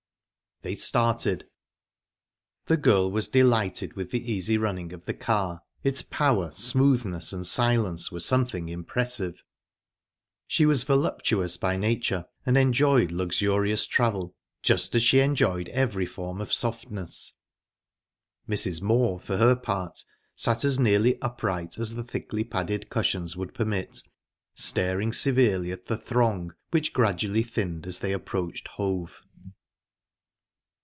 They started. The girl was delighted with the easy running of the car; its power, smoothness, and silence were something impressive. She was voluptuous by nature, and enjoyed luxurious travel, just as she enjoyed every form of softness. Mrs. Moor, for her part, sat as nearly upright as the thickly padded cushions would permit, staring severely at the throng, which gradually thinned as they approached Hove.